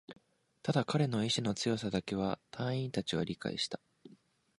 ただ、彼の意志の強さだけは隊員達は理解した